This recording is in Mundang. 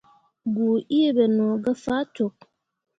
Goo ǝǝ ɓe no gah faa cok.